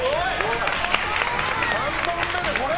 ３本目でこれ！